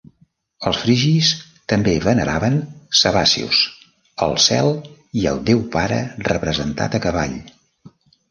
Els frigis també veneraven Sabazios, el cel i el déu pare representat a cavall.